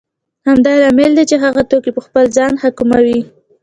همدا لامل دی چې هغوی توکي په خپل ځان حاکموي